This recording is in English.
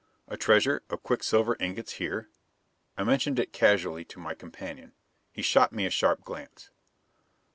A treasure of quicksilver ingots here? I mentioned it casually to my companion. He shot me a sharp glance.